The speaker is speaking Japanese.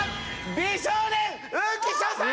美少年浮所さん！